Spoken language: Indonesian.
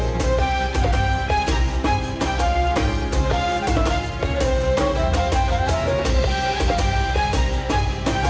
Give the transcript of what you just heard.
waalaikumsalam warahmatullahi wabarakatuh